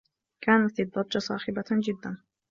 كانت الضّجّة صاخبة جدّا.